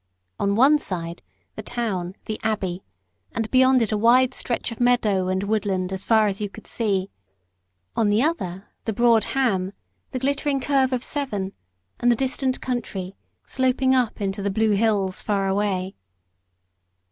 On one side, the town, the Abbey, and beyond it a wide stretch of meadow and woodland as far as you could see; on the other, the broad Ham, the glittering curve of Severn, and the distant country, sloping up into "the blue bills far away."